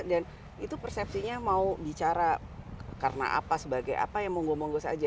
dan itu persepsinya mau bicara karena apa sebagai apa ya monggo monggo saja